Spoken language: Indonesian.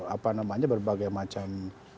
apa namanya berbagai macam